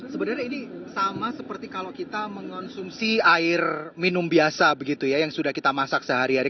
sebenarnya ini sama seperti kalau kita mengonsumsi air minum biasa begitu ya yang sudah kita masak sehari hari